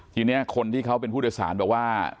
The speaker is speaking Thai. ทีนี้คนที่เขาเป็นผู้โดยสารบอกว่า